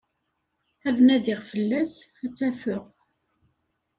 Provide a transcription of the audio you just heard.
Ad nadiɣ fell-as, ad tt-afeɣ.